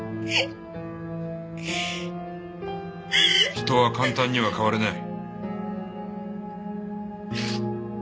人は簡単には変われない。